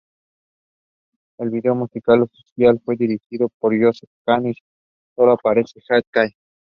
El vídeo musical fue dirigido por Joseph Kahn y solo aparece Jay Kay.